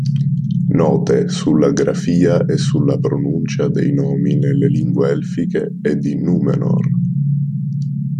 Note sulla grafia e sulla pronuncia dei nomi nelle lingue elfiche e di Númenor.